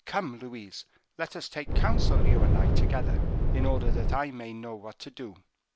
Come, Louise, let us take counsel, you and I, together, in order that I may know what to do."